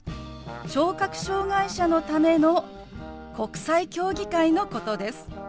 ・聴覚障害者のための国際競技会のことです。